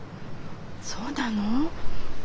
そうなの。